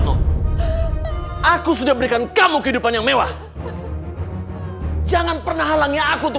aku sudah berikan kamu kehidupan yang mewah jangan pernah halangnya aku untuk